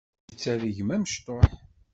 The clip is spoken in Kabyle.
Netta d gma amecṭuḥ.